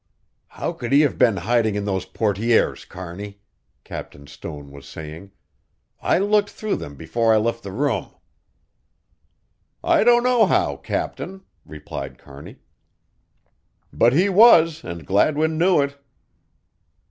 "How could he have been hiding in those portières, Kearney?" Captain Stone was saying. "I looked through them before I left the room." "I don't know how, Captain," replied Kearney, "but he was and Gladwin knew it."